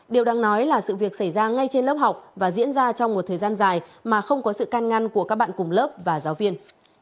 điều đáng nói là sự việc xảy ra ngay trên lớp học và diễn ra trong một thời gian dài mà không có sự can ngăn của các bạn cùng lớp và giáo viên